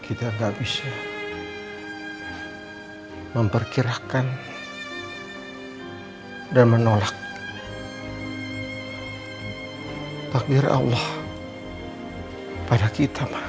kita nggak bisa memperkirakan dan menolak takdir allah pada kita ma